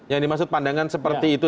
yang dimaksud pandangan seperti itu